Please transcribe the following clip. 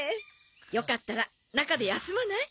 よかったら中で休まない？